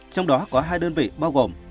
trong đó có hai đơn vị bao gồm